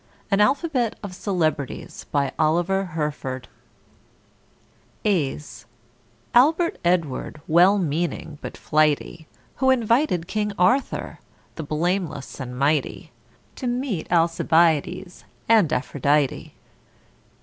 |++ An Alphabet of Celebrities =A='s =A=lbert Edward, well meaning but flighty, Who invited King =A=rthur, the blameless and mighty, To meet =A=lcibiades and =A=phrodite.